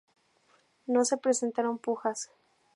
No se presentaron pujas.